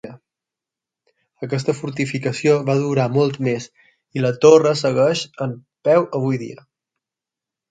Aquesta fortificació va durar molt més, i la torre segueix en peu avui dia.